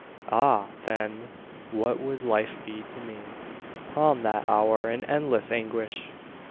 Ah, then; what would life be to me? Prom that hour an endless anguish!